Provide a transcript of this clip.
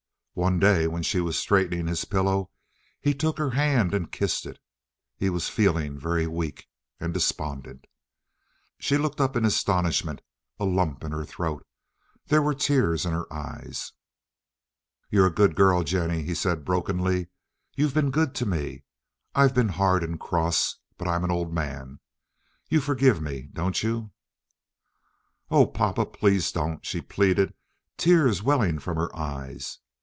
One day when she was straightening his pillow he took her hand and kissed it. He was feeling very weak—and despondent. She looked up in astonishment, a lump in her throat. There were tears in his eyes. "You're a good girl, Jennie," he said brokenly. "You've been good to me. I've been hard and cross, but I'm an old man. You forgive me, don't you?" "Oh, papa, please don't," she pleaded, tears welling from her eyes.